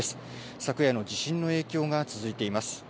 昨夜の地震の影響が続いています。